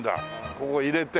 こう入れて。